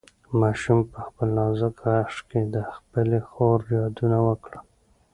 ماشوم په خپل نازک غږ کې د خپلې خور یادونه وکړه.